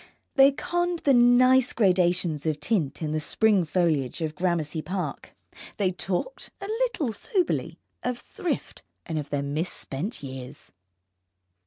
They conned the nice gradations of tint in the spring foliage of Gramercy Park. They talked, a little soberly, of thrift, and of their misspent years.